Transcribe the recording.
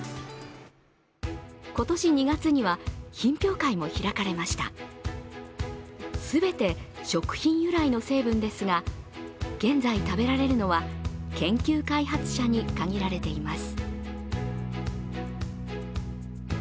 今年２月には品評会も開かれました全て食品由来の成分ですが、現在食べられるのは研究開発者に限られています。